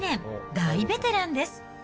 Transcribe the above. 大ベテランです。